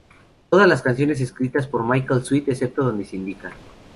Todas las canciones escritas por Michael Sweet, excepto donde se indica.